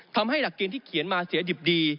หลักเกณฑ์ที่เขียนมาเสียดิบดี